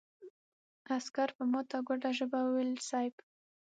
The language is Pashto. عسکر په ماته ګوډه ژبه وويل: صېب!